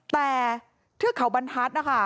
แต่เทือกเขาบรรทัศน์นะคะ